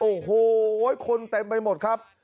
โอ้โหคนเต็มไปหมดครับ